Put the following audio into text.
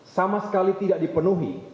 sama sekali tidak dipenuhi